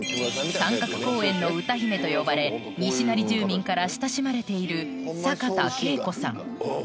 「三角公園の歌姫」と呼ばれ西成住民から親しまれている坂田佳子さん